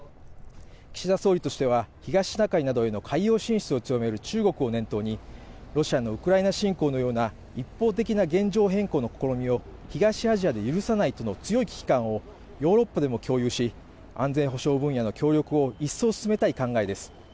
岸田総理としては東シナ海などへの海洋進出を強める中国を念頭にロシアのウクライナ侵攻のような一方的な現状変更の試みを東アジアで許さないとの強い危機感をヨーロッパでも共有し安全保障分野の協力を一層進めたい考えです。